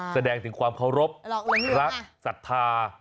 แสดงถึงความเคารพรักศรัทธา